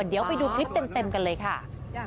เดี๋ยวไปดูคลิปเต็มกันเลยค่ะ